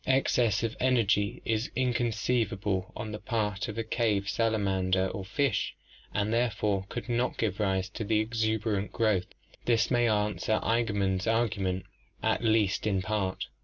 Excess of energy is inconceivable on the part of a cave salamander or fish and therefore could not give rise to exuberant growths. This may answer Eigenmann's argument (page 122), at least in part.